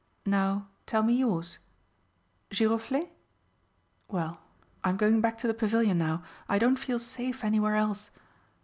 Now, tell me yours ... Giroflé?... Well, I am going back to the Pavilion now. I don't feel safe anywhere else....